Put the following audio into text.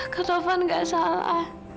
kak taufan gak salah